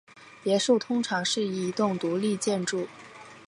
别墅通常是一栋独立建筑或多栋建筑组成。